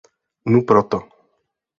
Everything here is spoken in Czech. Nu proto.